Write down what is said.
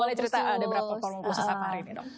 boleh cerita ada berapa promo khusus hari ini dong